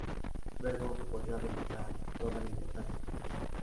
Luego, volvió a recobrar toda la importancia que tenía.